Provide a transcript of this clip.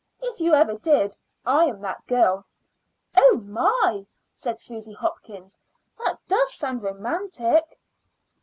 If you ever did, I am that girl." "Oh, my!" said Susy Hopkins. "That does sound romantic."